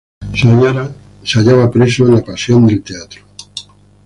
Se hallaba preso en la pasión del teatro.